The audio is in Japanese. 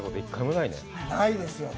ないですよね。